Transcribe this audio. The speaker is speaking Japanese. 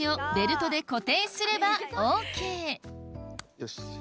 よし。